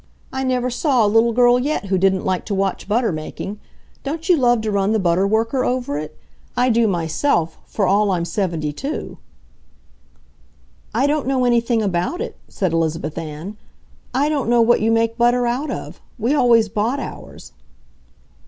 I never saw a little girl yet who didn't like to watch butter making. Don't you love to run the butter worker over it? I do, myself, for all I'm seventy two!" "I don't know anything about it," said Elizabeth Ann. "I don't know what you make butter out of. We always bought ours."